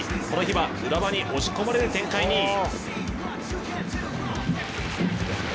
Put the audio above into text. この日は、浦和に押し込まれる展開に。